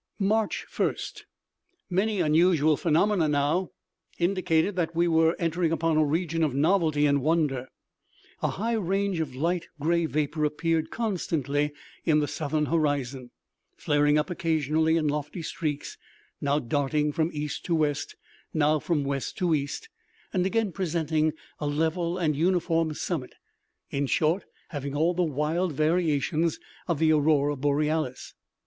March 1st. {*7} Many unusual phenomena now—indicated that we were entering upon a region of novelty and wonder. A high range of light gray vapor appeared constantly in the southern horizon, flaring up occasionally in lofty streaks, now darting from east to west, now from west to east, and again presenting a level and uniform summit—in short, having all the wild variations of the Aurora Borealis.